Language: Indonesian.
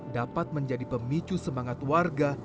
dapat menjadi pemicu semangat warga